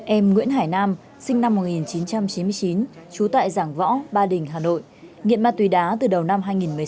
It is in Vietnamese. em nguyễn hải nam sinh năm một nghìn chín trăm chín mươi chín trú tại giảng võ ba đình hà nội nghiện ma túy đá từ đầu năm hai nghìn một mươi chín